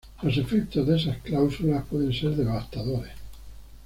Los efectos de esas cláusulas pueden ser devastadores.